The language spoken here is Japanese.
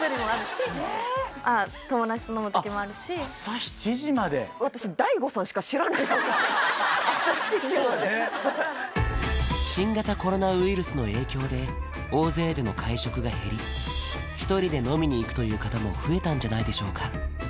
朝７時までそうね新型コロナウイルスの影響で大勢での会食が減り１人で飲みに行くという方も増えたんじゃないでしょうか？